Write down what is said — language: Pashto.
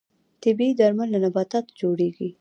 طبیعي درمل له نباتاتو جوړیږي